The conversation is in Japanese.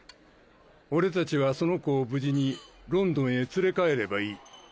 俺たちはその子を無事にロンドンへ連れ帰ればいい。